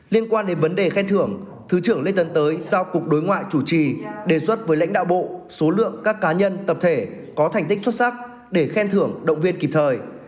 liên quan đến vấn đề khen thưởng thứ trưởng lê tấn tới giao cục đối ngoại chủ trì đề xuất với lãnh đạo bộ số lượng các cá nhân tập thể có thành tích xuất sắc để khen thưởng động viên kịp thời